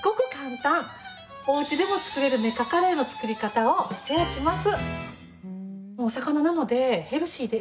おうちでも作れるメカカレーの作り方をシェアします。